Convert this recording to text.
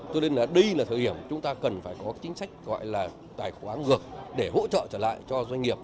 cho nên đây là thời hiểm chúng ta cần phải có chính sách gọi là tài khoá ngược để hỗ trợ trở lại cho doanh nghiệp